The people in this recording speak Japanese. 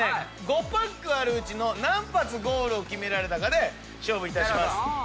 ５パックあるうちの何発ゴールを決められたかで勝負いたします。